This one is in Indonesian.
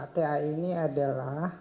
ta ini adalah